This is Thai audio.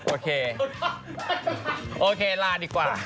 โอเคโอเคลาดีกว่า